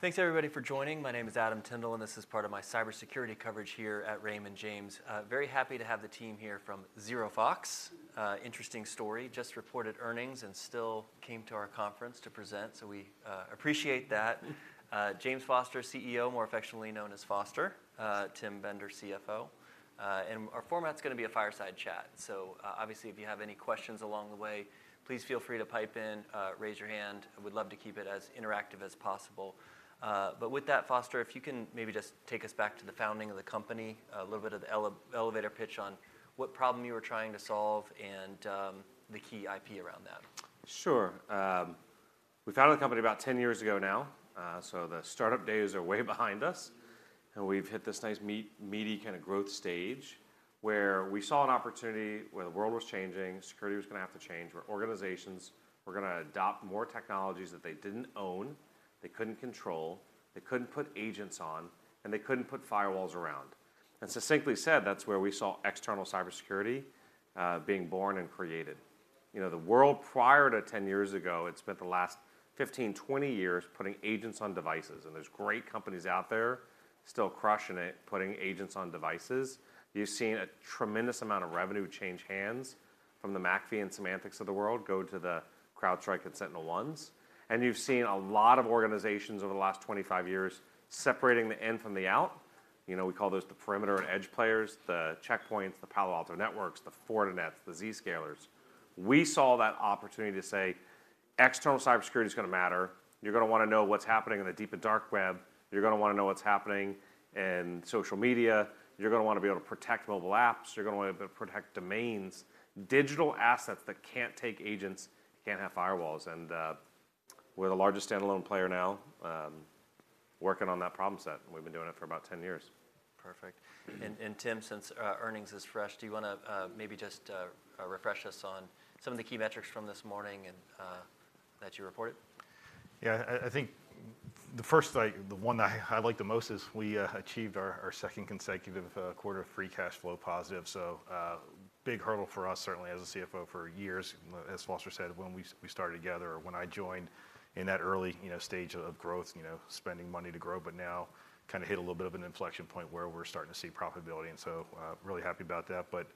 Okay. Thanks everybody for joining. My name is Adam Tindle, and this is part of my cybersecurity coverage here at Raymond James. Very happy to have the team here from ZeroFox. Interesting story, just reported earnings and still came to our conference to present, so we appreciate that. James Foster, CEO, more affectionately known as Foster. Tim Bender, CFO. And our format's gonna be a fireside chat. So, obviously, if you have any questions along the way, please feel free to pipe in, raise your hand. We'd love to keep it as interactive as possible. But with that, Foster, if you can maybe just take us back to the founding of the company, a little bit of the elevator pitch on what problem you were trying to solve and, the key IP around that. Sure. We founded the company about 10 years ago now. So the startup days are way behind us, and we've hit this nice meaty kind of growth stage, where we saw an opportunity, where the world was changing, security was gonna have to change, where organizations were gonna adopt more technologies that they didn't own, they couldn't control, they couldn't put agents on, and they couldn't put firewalls around. And succinctly said, that's where we saw external cybersecurity being born and created. You know, the world prior to 10 years ago had spent the last 15, 20 years putting agents on devices, and there's great companies out there still crushing it, putting agents on devices. You've seen a tremendous amount of revenue change hands from the McAfee and Symantecs of the world go to the CrowdStrike and SentinelOnes. You've seen a lot of organizations over the last 25 years separating the in from the out. You know, we call those the perimeter and edge players, the Check Point, the Palo Alto Networks, the Fortinet, the Zscaler. We saw that opportunity to say, "External cybersecurity is gonna matter. You're gonna wanna know what's happening in the deep and dark web. You're gonna wanna know what's happening in social media. You're gonna wanna be able to protect mobile apps. You're gonna wanna be able to protect domains, digital assets that can't take agents, can't have firewalls." And, we're the largest standalone player now, working on that problem set, and we've been doing it for about 10 years. Perfect. Mm-hmm. Tim, since earnings is fresh, do you wanna maybe just refresh us on some of the key metrics from this morning and that you reported? Yeah, I think the first—the one I like the most is we achieved our second consecutive quarter of free cash flow positive. So, big hurdle for us, certainly as a CFO for years. As Foster said, when we started together, when I joined in that early, you know, stage of growth, you know, spending money to grow, but now kind of hit a little bit of an inflection point where we're starting to see profitability, and so, really happy about that. But,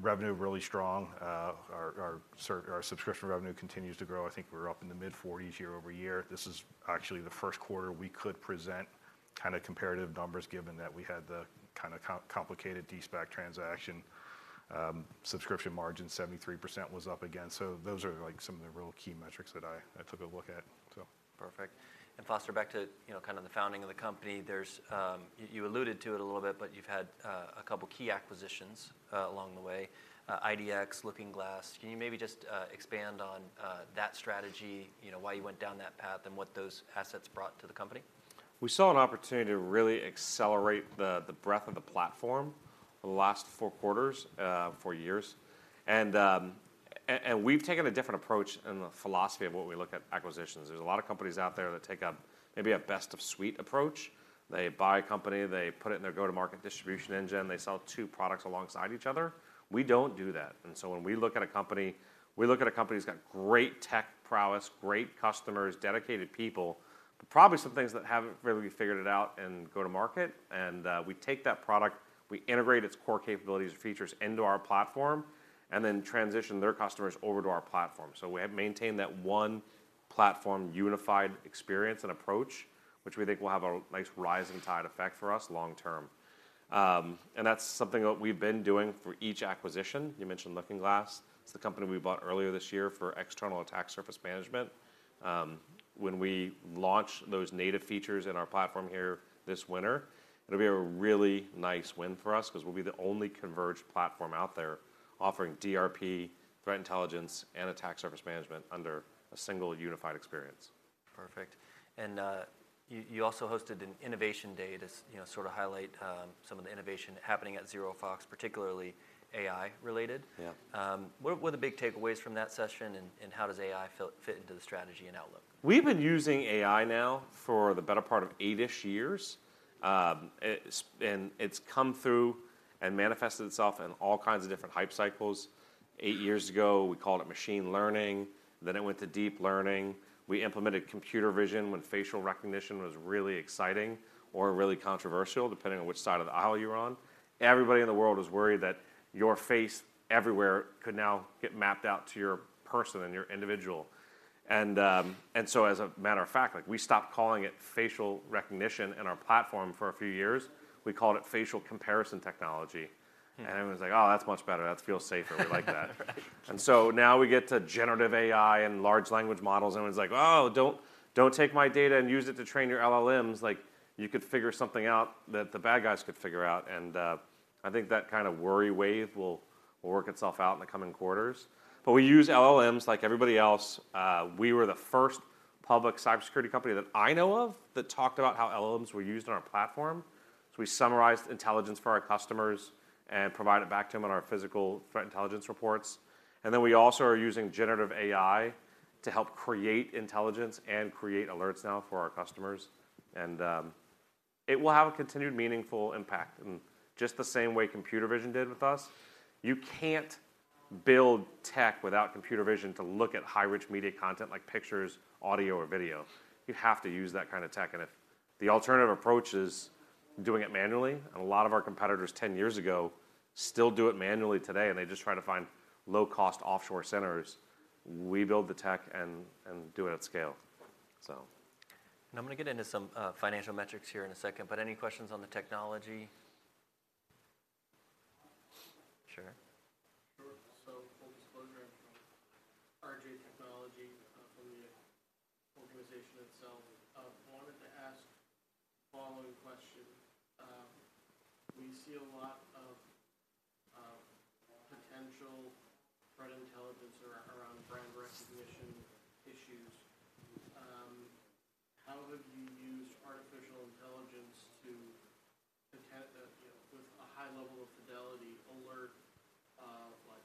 revenue, really strong. Our subscription revenue continues to grow. I think we're up in the mid-40s% year-over-year. This is actually the first quarter we could present kind of comparative numbers, given that we had the kind of complicated De-SPAC transaction. Subscription margin, 73% was up again. Those are, like, some of the real key metrics that I took a look at, so. Perfect. And Foster, back to, you know, kind of the founding of the company, there's you alluded to it a little bit, but you've had a couple key acquisitions along the way, IDX, LookingGlass. Can you maybe just expand on that strategy, you know, why you went down that path, and what those assets brought to the company? We saw an opportunity to really accelerate the breadth of the platform over the last four quarters, four years. And we've taken a different approach in the philosophy of what we look at acquisitions. There's a lot of companies out there that take a maybe a best of suite approach. They buy a company, they put it in their go-to-market distribution engine, they sell two products alongside each other. We don't do that, and so when we look at a company, we look at a company that's got great tech prowess, great customers, dedicated people, but probably some things that haven't really figured it out in go-to-market. And we take that product, we integrate its core capabilities and features into our platform, and then transition their customers over to our platform. So we have maintained that one platform, unified experience and approach, which we think will have a nice rising tide effect for us long term. And that's something that we've been doing for each acquisition. You mentioned LookingGlass. It's the company we bought earlier this year for external attack surface management. When we launch those native features in our platform here this winter, it'll be a really nice win for us 'cause we'll be the only converged platform out there offering DRP, threat intelligence, and attack surface management under a single unified experience. Perfect. And, you also hosted an innovation day to, you know, sort of highlight some of the innovation happening at ZeroFox, particularly AI-related. Yeah. What were the big takeaways from that session, and how does AI fit into the strategy and outlook? We've been using AI now for the better part of eightish years. And it's come through and manifested itself in all kinds of different hype cycles. Eight years ago, we called it machine learning, then it went to deep learning. We implemented computer vision when facial recognition was really exciting or really controversial, depending on which side of the aisle you were on. Everybody in the world was worried that your face everywhere could now get mapped out to your person and your individual. And so as a matter of fact, like, we stopped calling it facial recognition in our platform for a few years. We called it facial comparison technology. Hmm. Everyone was like: "Oh, that's much better. That feels safer. We like that. Right. So now we get to generative AI and large language models, and everyone's like: "Oh, don't, don't take my data and use it to train your LLMs. Like, you could figure something out that the bad guys could figure out." I think that kind of worry wave will work itself out in the coming quarters. But we use LLMs like everybody else. We were the first public cybersecurity company that I know of that talked about how LLMs were used on our platform. So we summarized intelligence for our customers and provided it back to them on our physical threat intelligence reports. Then we also are using generative AI to help create intelligence and create alerts now for our customers. It will have a continued meaningful impact in just the same way computer vision did with us. You can't build tech without computer vision to look at high rich media content like pictures, audio, or video. You have to use that kind of tech, and if the alternative approach is doing it manually, and a lot of our competitors ten years ago still do it manually today, and they just try to find low-cost offshore centers, we build the tech and do it at scale. So- I'm gonna get into some financial metrics here in a second, but any questions on the technology? Sure. Sure. So full disclosure, I'm from RJ Technology, from the organization itself. Wanted to ask the following question: We see a lot of potential threat intelligence around, around brand recognition issues. How have you used artificial intelligence to protect, you know, with a high level of fidelity, alert, like,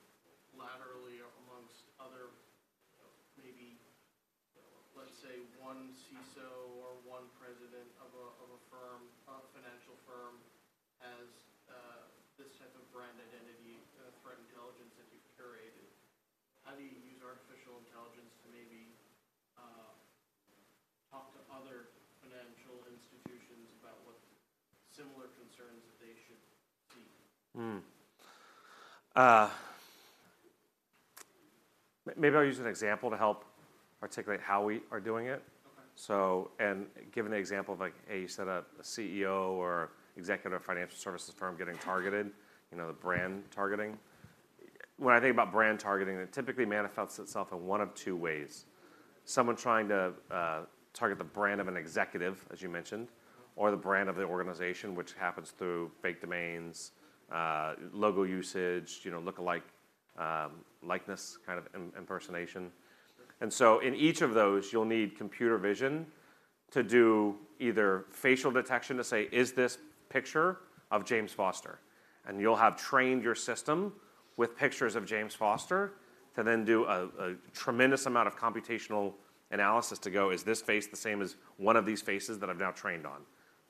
laterally amongst other, maybe, let's say, one CISO or one president of a, of a firm, a financial firm, has this type of brand identity, threat intelligence that you've curated. How do you use artificial intelligence to maybe talk to other financial institutions about what similar concerns that they should see? Maybe I'll use an example to help articulate how we are doing it. Okay. Given the example of a CEO or executive of a financial services firm getting targeted, you know, the brand targeting. When I think about brand targeting, it typically manifests itself in one of two ways: Someone trying to target the brand of an executive, as you mentioned, or the brand of the organization, which happens through fake domains, logo usage, you know, look-alike, likeness, kind of impersonation. Sure. And so in each of those, you'll need computer vision to do either facial detection to say, "Is this picture of James Foster?" And you'll have trained your system with pictures of James Foster to then do a tremendous amount of computational analysis to go, "Is this face the same as one of these faces that I've now trained on?"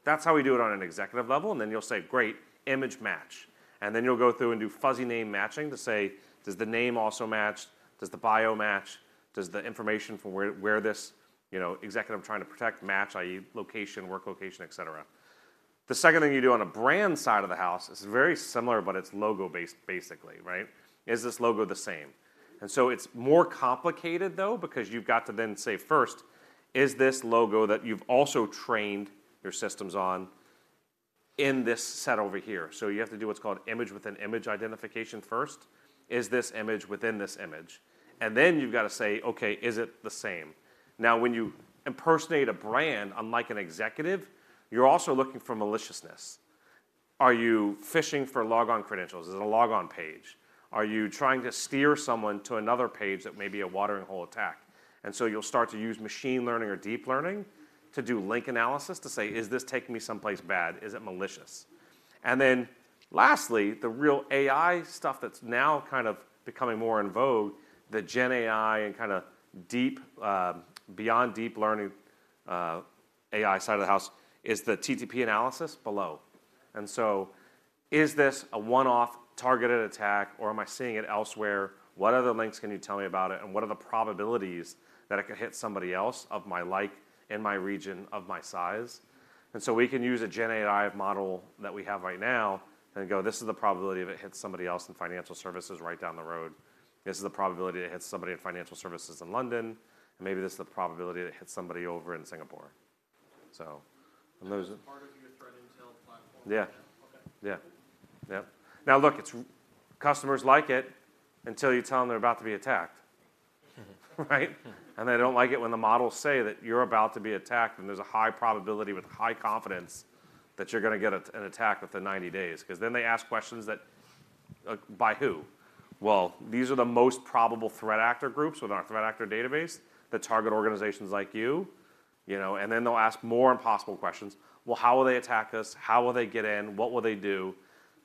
That's how we do it on an executive level, and then you'll say, "Great, image match." And then you'll go through and do fuzzy name matching to say, "Does the name also match? Does the bio match? Does the information from where this, you know, executive I'm trying to protect match, i.e., location, work location, etc.?" The second thing you do on a brand side of the house is very similar, but it's logo-based basically, right? Is this logo the same? And so it's more complicated, though, because you've got to then say, first, is this logo that you've also trained your systems on in this set over here? So you have to do what's called image-within-image identification first. Is this image within this image? And then you've got to say, "Okay, is it the same?" Now, when you impersonate a brand, unlike an executive, you're also looking for maliciousness. Are you phishing for logon credentials? Is it a logon page? Are you trying to steer someone to another page that may be a watering hole attack? And so you'll start to use machine learning or deep learning to do link analysis to say, "Is this taking me someplace bad? Is it malicious?" And then lastly, the real AI stuff that's now kind of becoming more in vogue, the Gen AI and kinda deep, beyond deep learning, AI side of the house, is the TTP analysis below. And so is this a one-off targeted attack, or am I seeing it elsewhere? What other links can you tell me about it, and what are the probabilities that it could hit somebody else of my like, in my region, of my size? And so we can use a Gen AI model that we have right now and go, "This is the probability that it hits somebody else in financial services right down the road. This is the probability it hits somebody in financial services in London, and maybe this is the probability that it hits somebody over in Singapore." So, and those- Is part of your threat intel platform? Yeah. Okay. Yeah. Yep. Now, look, it's customers like it until you tell them they're about to be attacked. Right? And they don't like it when the models say that you're about to be attacked, and there's a high probability with high confidence that you're gonna get an attack within 90 days. 'Cause then they ask questions that, "By who?" "Well, these are the most probable threat actor groups with our threat actor database that target organizations like you," you know. And then they'll ask more impossible questions: "Well, how will they attack us? How will they get in? What will they do?"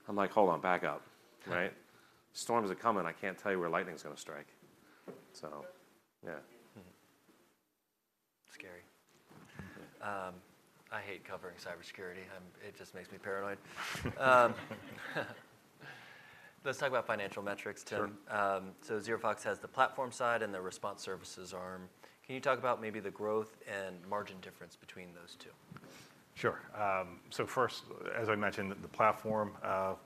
I'm like: "Hold on, back up," right? "Storms are coming. I can't tell you where lightning is gonna strike." So yeah. Mm-hmm. Scary. I hate covering cybersecurity. It just makes me paranoid. Let's talk about financial metrics today. Sure. ZeroFox has the platform side and the response services arm. Can you talk about maybe the growth and margin difference between those two? Sure. So first, as I mentioned, the platform up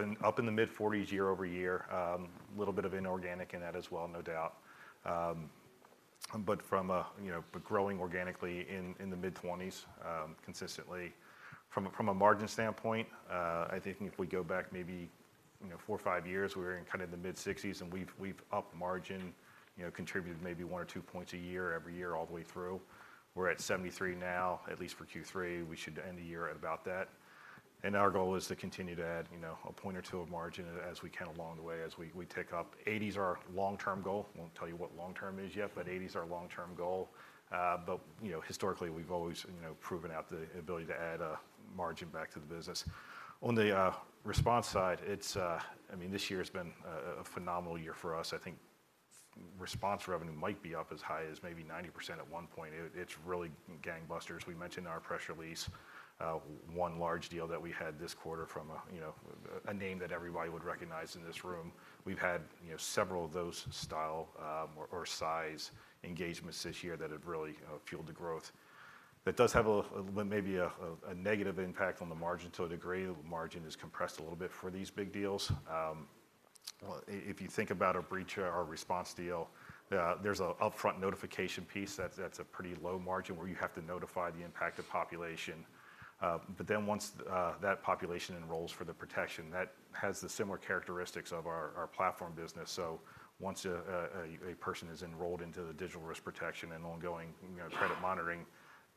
in the mid-40%s year-over-year. A little bit of inorganic in that as well, no doubt. But growing organically in the mid-20%s consistently. From a margin standpoint, I think if we go back maybe, you know, four or five years, we were in kind of the mid-60%s, and we've upped margin, you know, contributed maybe one or two points a year, every year, all the way through. We're at 73% now, at least for Q3. We should end the year at about that. And our goal is to continue to add, you know, a point or two of margin as we can along the way, as we tick up. 80%s is our long-term goal. I won't tell you what long-term is yet, but eighties is our long-term goal. You know, historically, we've always, you know, proven out the ability to add a margin back to the business. On the response side, it's I mean, this year has been a phenomenal year for us, I think.... response revenue might be up as high as maybe 90% at one point. It, it's really gangbusters. We mentioned in our press release, one large deal that we had this quarter from a, you know, a name that everybody would recognize in this room. We've had, you know, several of those style, or size engagements this year that have really, fueled the growth. That does have a little maybe a negative impact on the margin to a degree. The margin is compressed a little bit for these big deals. Well, if you think about a breach or a response deal, there's a upfront notification piece that, that's a pretty low margin, where you have to notify the impacted population. But then once that population enrolls for the protection, that has the similar characteristics of our, our platform business. So once a person is enrolled into the digital risk protection and ongoing, you know, credit monitoring,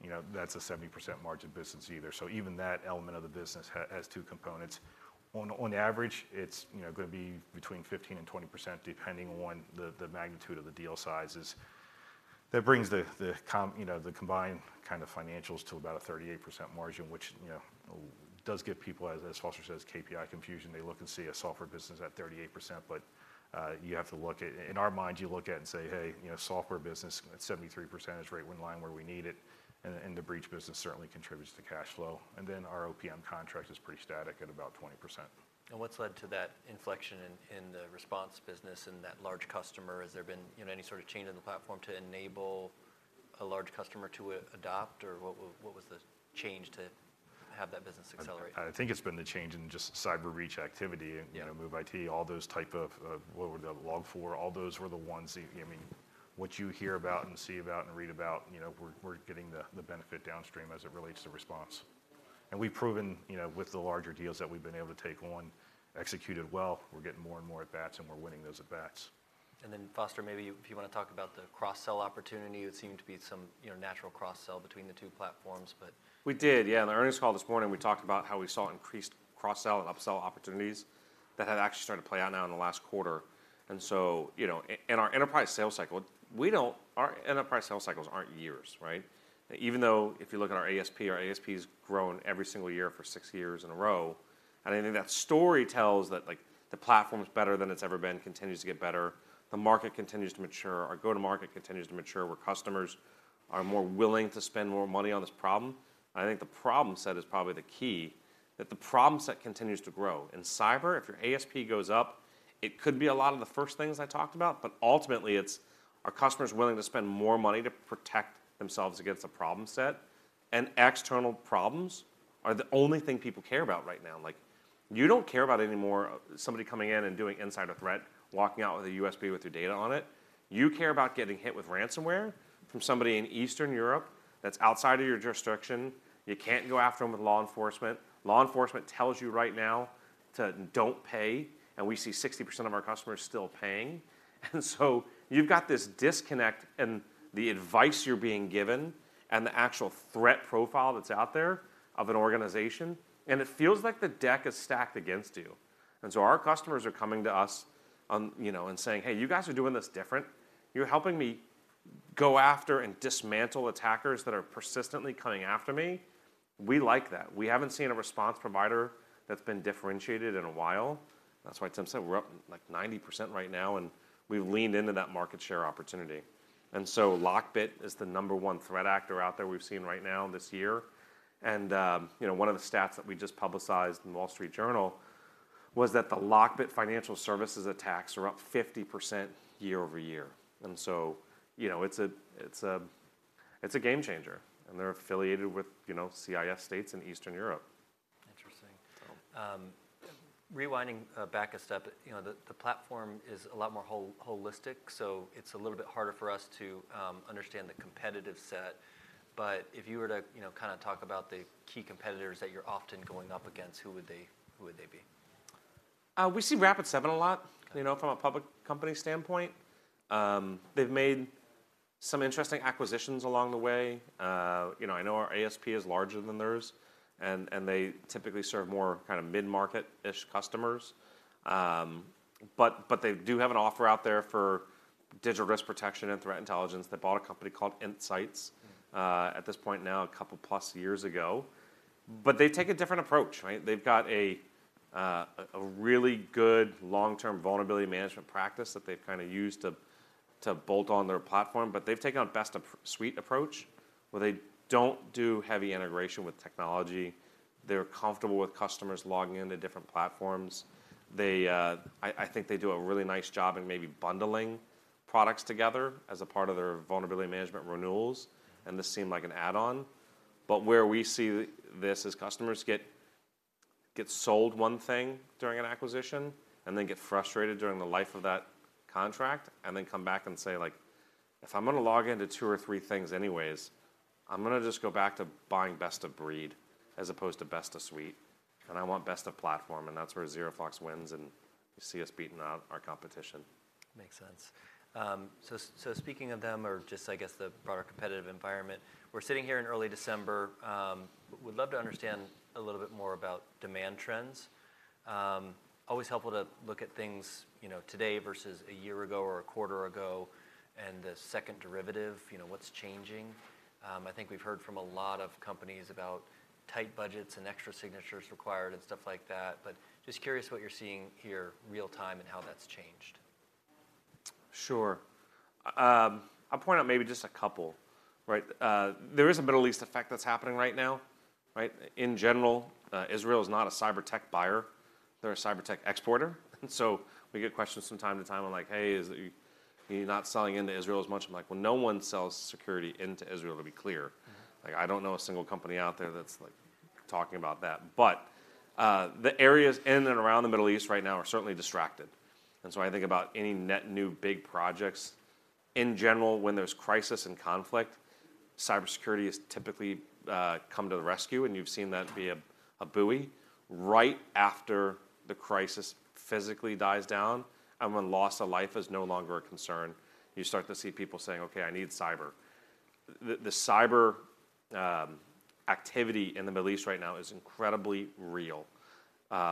you know, that's a 70% margin business either. So even that element of the business has two components. On average, it's, you know, gonna be between 15% and 20%, depending on the magnitude of the deal sizes. That brings the combined kind of financials to about a 38% margin, which, you know, does give people, as Foster says, KPI confusion. They look and see a software business at 38%, but you have to look at... In our mind, you look at it and say, "Hey, you know, software business at 73% is right in line where we need it," and the breach business certainly contributes to cash flow. And then our OPM contract is pretty static at about 20%. What's led to that inflection in the response business and that large customer? Has there been, you know, any sort of change in the platform to enable a large customer to adopt, or what was the change to have that business accelerate? I think it's been the change in just cyber breach activity and, you know, MOVEit, all those type of, what were the—Log4j, all those were the ones that, I mean, what you hear about and see about and read about, you know, we're getting the benefit downstream as it relates to response. We've proven, you know, with the larger deals that we've been able to take on, executed well. We're getting more and more at bats, and we're winning those at bats. And then, Foster, maybe if you wanna talk about the cross-sell opportunity. It seemed to be some, you know, natural cross-sell between the two platforms, but- We did, yeah. On the earnings call this morning, we talked about how we saw increased cross-sell and upsell opportunities that have actually started to play out now in the last quarter. And so, you know, in our enterprise sales cycle, we don't, our enterprise sales cycles aren't years, right? Even though if you look at our ASP, our ASP has grown every single year for six years in a row, and I think that story tells that, like, the platform is better than it's ever been, continues to get better. The market continues to mature. Our go-to-market continues to mature, where customers are more willing to spend more money on this problem. I think the problem set is probably the key, that the problem set continues to grow. In cyber, if your ASP goes up, it could be a lot of the first things I talked about, but ultimately, it's, are customers willing to spend more money to protect themselves against a problem set? External problems are the only thing people care about right now. Like, you don't care about anymore somebody coming in and doing insider threat, walking out with a USB with your data on it. You care about getting hit with ransomware from somebody in Eastern Europe that's outside of your jurisdiction. You can't go after them with law enforcement. Law enforcement tells you right now to, "Don't pay," and we see 60% of our customers still paying. So you've got this disconnect in the advice you're being given and the actual threat profile that's out there of an organization, and it feels like the deck is stacked against you. And so our customers are coming to us on, you know, and saying, "Hey, you guys are doing this different. You're helping me go after and dismantle attackers that are persistently coming after me." We like that. We haven't seen a response provider that's been differentiated in a while. That's why Tim said we're up, like, 90% right now, and we've leaned into that market share opportunity. And so LockBit is the number one threat actor out there we've seen right now this year. And, you know, one of the stats that we just publicized in The Wall Street Journal was that the LockBit financial services attacks are up 50% year- over-year. And so, you know, it's a, it's a, it's a game changer, and they're affiliated with, you know, CIS states in Eastern Europe. Interesting. So- Rewinding, back a step, you know, the platform is a lot more holistic, so it's a little bit harder for us to understand the competitive set. But if you were to, you know, kinda talk about the key competitors that you're often going up against, who would they, who would they be? We see Rapid7 a lot, you know, from a public company standpoint. They've made some interesting acquisitions along the way. You know, I know our ASP is larger than theirs, and they typically serve more kind of mid-market-ish customers. But they do have an offer out there for digital risk protection and threat intelligence. They bought a company called IntSights- Mm... at this point now, a couple plus years ago. But they take a different approach, right? They've got a really good long-term vulnerability management practice that they've kinda used to bolt on their platform, but they've taken a best of suite approach, where they don't do heavy integration with technology. They're comfortable with customers logging into different platforms. I think they do a really nice job in maybe bundling products together as a part of their vulnerability management renewals, and this seemed like an add-on. But where we see this is customers get sold one thing during an acquisition and then get frustrated during the life of that contract and then come back and say, like, "If I'm gonna log in to two or three things anyways, I'm gonna just go back to buying best of breed, as opposed to best of suite, and I want best of platform." And that's where ZeroFox wins, and you see us beating out our competition. Makes sense. So speaking of them or just, I guess, the broader competitive environment, we're sitting here in early December. Would love to understand a little bit more about demand trends. Always helpful to look at things, you know, today versus a year ago or a quarter ago... and the second derivative, you know, what's changing? I think we've heard from a lot of companies about tight budgets and extra signatures required and stuff like that, but just curious what you're seeing here real-time and how that's changed. Sure. I'll point out maybe just a couple, right? There is a Middle East effect that's happening right now, right? In general, Israel is not a cyber tech buyer, they're a cyber tech exporter. And so we get questions from time to time on like, "Hey, is you, you're not selling into Israel as much?" I'm like: Well, no one sells security into Israel, to be clear. Mm-hmm. Like, I don't know a single company out there that's, like, talking about that. But, the areas in and around the Middle East right now are certainly distracted. And so I think about any net new big projects, in general, when there's crisis and conflict, cybersecurity has typically, come to the rescue, and you've seen that be a, a buoy. Right after the crisis physically dies down and when loss of life is no longer a concern, you start to see people saying, "Okay, I need cyber." The cyber activity in the Middle East right now is incredibly real.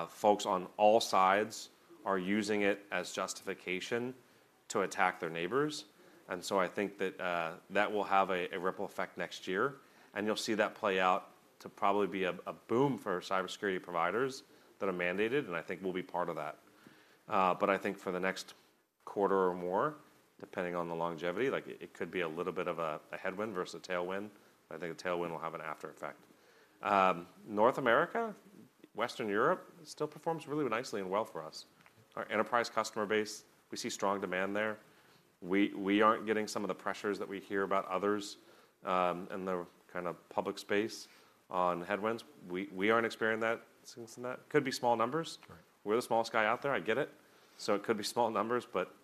Folks on all sides are using it as justification to attack their neighbors, and so I think that that will have a, a ripple effect next year. You'll see that play out to probably be a boom for cybersecurity providers that are mandated, and I think we'll be part of that. But I think for the next quarter or more, depending on the longevity, like, it could be a little bit of a headwind versus a tailwind, but I think a tailwind will have an after effect. North America, Western Europe, still performs really nicely and well for us. Our enterprise customer base, we see strong demand there. We aren't getting some of the pressures that we hear about others in the kind of public space on headwinds. We aren't experiencing that since then that. Could be small numbers. Right. We're the smallest guy out there, I get it, so it could be small numbers, but,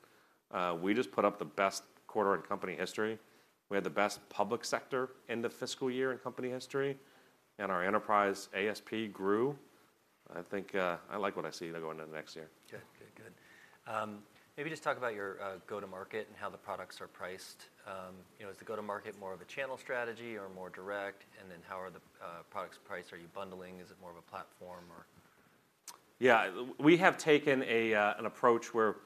we just put up the best quarter in company history. We had the best public sector end-of-fiscal year in company history, and our enterprise ASP grew. I think, I like what I see there going into the next year. Okay. Good, good. Maybe just talk about your go-to-market and how the products are priced. You know, is the go-to-market more of a channel strategy or more direct? And then how are the products priced? Are you bundling? Is it more of a platform or...? Yeah, we have taken an approach where,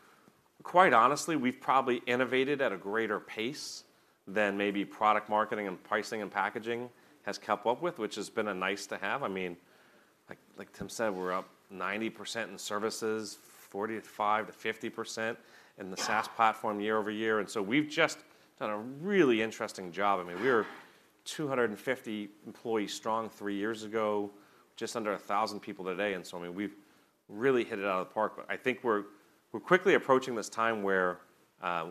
quite honestly, we've probably innovated at a greater pace than maybe product marketing and pricing and packaging has kept up with, which has been a nice to have. I mean, like, like Tim said, we're up 90% in services, 45%-50% in the- Wow! SaaS platform year-over-year, and so we've just done a really interesting job. I mean, we were 250 employees strong three years ago, just under 1,000 people today, and so, I mean, we've really hit it out of the park. But I think we're, we're quickly approaching this time where,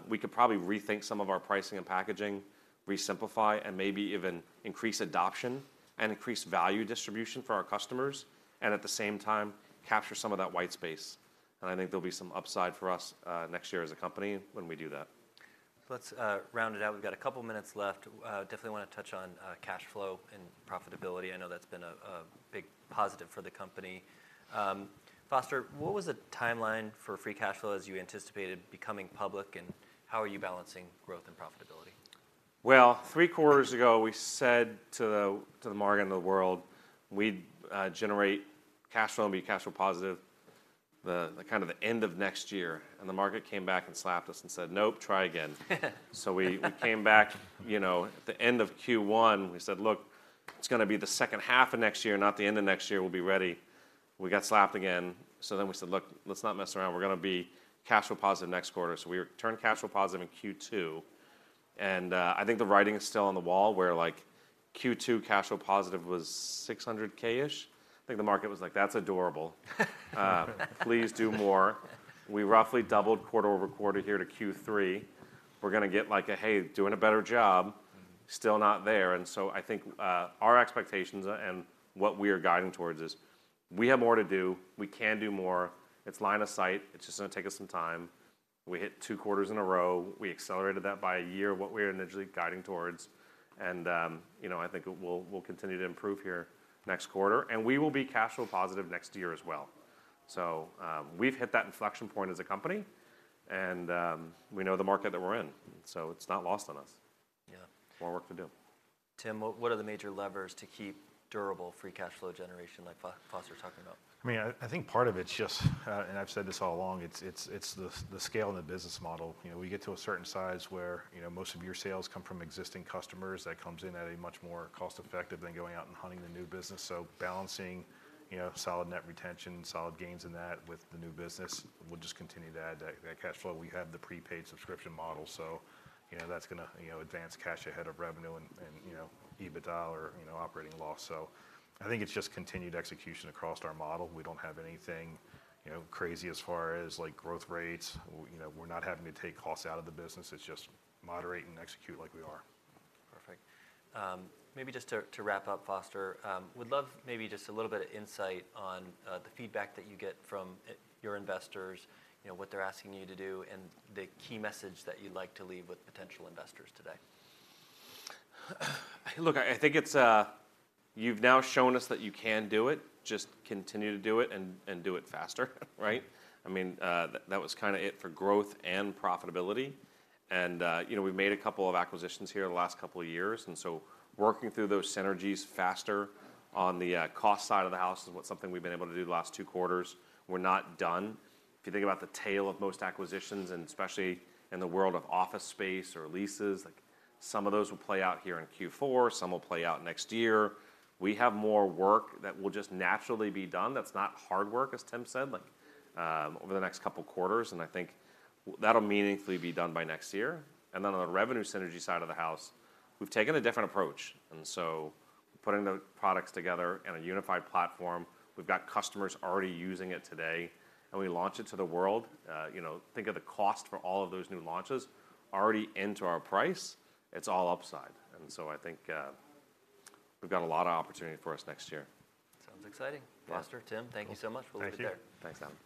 we could probably rethink some of our pricing and packaging, resimplify, and maybe even increase adoption and increase value distribution for our customers, and at the same time, capture some of that white space. And I think there'll be some upside for us, next year as a company when we do that. Let's round it out. We've got a couple minutes left. Definitely want to touch on cash flow and profitability. I know that's been a big positive for the company. Foster, what was the timeline for free cash flow as you anticipated becoming public, and how are you balancing growth and profitability? Well, three quarters ago, we said to the market and the world, we'd generate cash flow and be cash flow positive the end of next year. And the market came back and slapped us and said: "Nope, try again." So we came back, you know, at the end of Q1, we said: "Look, it's gonna be the second half of next year, not the end of next year, we'll be ready." We got slapped again, so then we said: "Look, let's not mess around. We're gonna be cash flow positive next quarter." So we turned cash flow positive in Q2, and I think the writing is still on the wall, where, like, Q2 cash flow positive was $600K-ish. I think the market was like: "That's adorable." "Please do more." We roughly doubled quarter-over-quarter here to Q3. We're gonna get, like, "Hey, doing a better job,"- Mm-hmm. Still not there. And so I think, our expectations and what we are guiding towards is, we have more to do, we can do more. It's line of sight, it's just gonna take us some time. We hit two quarters in a row. We accelerated that by a year, what we were initially guiding towards, and, you know, I think it will, we'll continue to improve here next quarter. And we will be cash flow positive next year as well. So, we've hit that inflection point as a company, and, we know the market that we're in, so it's not lost on us. Yeah. More work to do. Tim, what are the major levers to keep durable free cash flow generation like Foster talking about? I mean, I think part of it's just, and I've said this all along, it's the scale and the business model. You know, we get to a certain size where, you know, most of your sales come from existing customers. That comes in at a much more cost effective than going out and hunting the new business. So balancing, you know, solid net retention, solid gains in that with the new business, we'll just continue to add that cash flow. We have the prepaid subscription model, so, you know, that's gonna, you know, advance cash ahead of revenue and, you know, EBITDA or, you know, operating loss. So I think it's just continued execution across our model. We don't have anything, you know, crazy as far as, like, growth rates. You know, we're not having to take costs out of the business. It's just moderate and execute like we are. Perfect. Maybe just to wrap up, Foster, would love maybe just a little bit of insight on the feedback that you get from your investors, you know, what they're asking you to do, and the key message that you'd like to leave with potential investors today. Look, I think it's, you've now shown us that you can do it. Just continue to do it, and do it faster, right? I mean, that was kind of it for growth and profitability. And, you know, we've made a couple of acquisitions here in the last couple of years, and so working through those synergies faster on the, cost side of the house is what something we've been able to do the last two quarters. We're not done. If you think about the tail of most acquisitions, and especially in the world of office space or leases, like, some of those will play out here in Q4, some will play out next year. We have more work that will just naturally be done, that's not hard work, as Tim said, like, over the next couple quarters, and I think that'll meaningfully be done by next year. And then, on the revenue synergy side of the house, we've taken a different approach, and so putting the products together in a unified platform, we've got customers already using it today, and we launch it to the world. You know, think of the cost for all of those new launches already into our price. It's all upside, and so I think, we've got a lot of opportunity for us next year. Sounds exciting. Yeah. Foster, Tim, thank you so much. Thank you. We'll look there. Thanks, Adam.